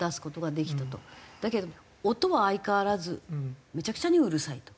だけど音は相変わらずめちゃくちゃにうるさいと。